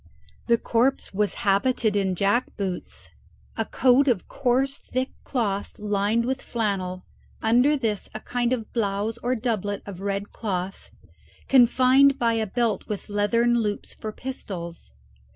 The corpse was habited in jackboots, a coat of coarse thick cloth lined with flannel, under this a kind of blouse or doublet of red cloth, confined by a belt with leathern loops for pistols.